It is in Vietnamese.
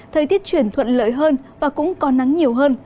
thời tiết chuyển thuận lợi hơn và cũng có nắng nhiều hơn